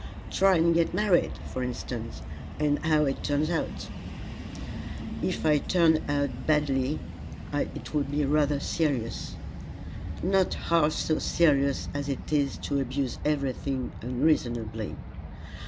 "Try and get married, for instance, and see how it turns out." "If it turned out badly it would be rather serious." "Not half so serious as it is to abuse everything unreasonably.